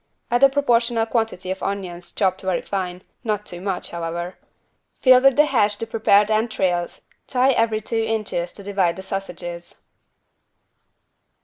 Add a proportional quantity of onions chopped very fine, not too much, however. Fill with the hash the prepared entrails, tie every two inches to divide the sausages.